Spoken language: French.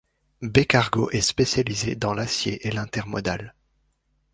B-Cargo est spécialisé dans l’acier et l’intermodal.